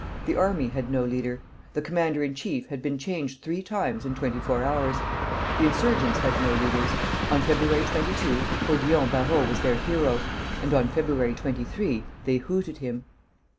The army had no leader; the commander in chief had been changed three times in twenty four hours. The insurgents had no leaders. On February 22 Odillon Barrot was their hero, and on February 23 they hooted him.